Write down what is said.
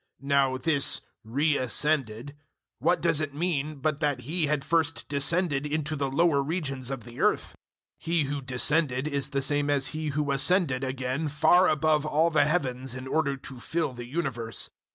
004:009 (Now this "re ascended" what does it mean but that He had first descended into the lower regions of the earth? 004:010 He who descended is the same as He who ascended again far above all the Heavens in order to fill the universe.)